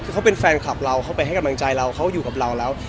คือเขาเป็นแฟนคลับเราเขาไปให้กำลังใจเราเขาอยู่กับเราแล้ว